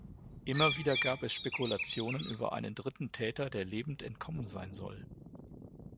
Immer wieder gab es Spekulationen über einen dritten Täter, der lebend entkommen sein soll.